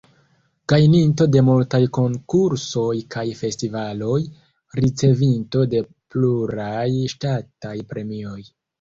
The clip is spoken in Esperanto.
Gajninto de multaj konkursoj kaj festivaloj, ricevinto de pluraj ŝtataj premioj.